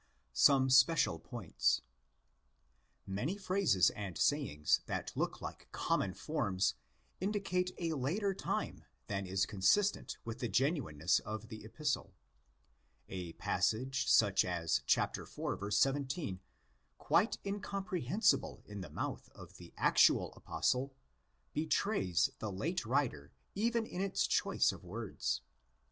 Some Special Points. Many phrases and sayings that look like common forms indicate a later time than is consistent with the genuineness of the Epistle? A passage such as iv. 17, quite incomprehensible in the mouth of the actual Apostle, betrays the late writer even in its choice of words.